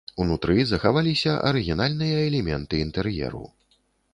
Унутры захаваліся арыгінальныя элементы інтэр'еру.